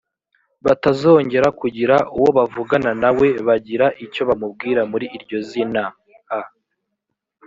batazongera kugira uwo bavugana na we bagira icyo bamubwira muri iryo zina a